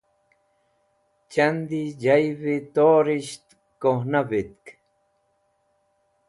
Chandi Jayvi Torisht Kuhna Vitk